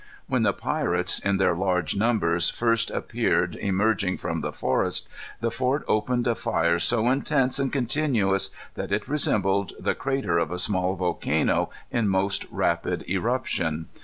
When the pirates, in their large numbers, first appeared emerging from the forest, the fort opened a fire so intense and continuous that it resembled the crater of a small volcano in most rapid eruption.